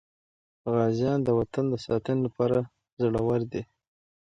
غازیان د وطن د ساتنې لپاره زړور دي.